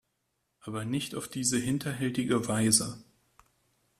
Aber nicht auf diese hinterhältige Weise!